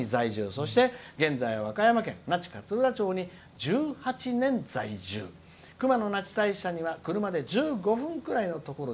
そして、現在、和歌山県那智勝浦町に１８年在住熊野那智大社には車で１５分ぐらいのところ」。